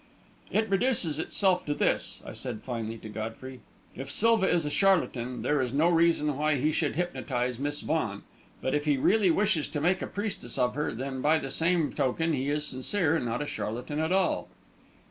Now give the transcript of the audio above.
"It reduces itself to this," I said finally to Godfrey. "If Silva is a charlatan, there is no reason why he should hypnotise Miss Vaughan; but if he really wishes to make a priestess of her, then, by the same token, he is sincere and not a charlatan at all."